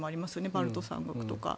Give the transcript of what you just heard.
バルト三国とか。